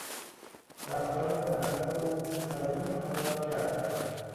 رفتار منحرف او توجه همه را جلب کرد.